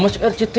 di sana juga